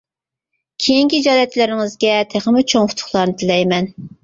كېيىنكى ئىجادىيەتلىرىڭىزگە تېخىمۇ چوڭ ئۇتۇقلارنى تىلەيمەن!